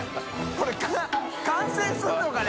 これ完成するのかね？